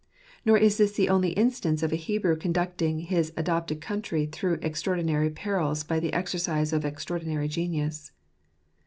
Nor is this the only instance of a Hebrew conducting his adopted country through extraordinary perils by the exercise of extraordinary genius.